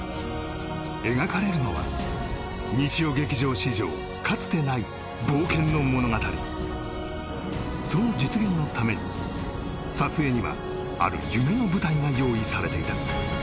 描かれるのは日曜劇場史上その実現のために撮影にはある夢の舞台が用意されていた